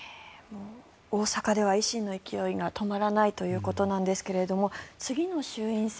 大阪では維新の勢いが止まらないということなんですが次の衆院選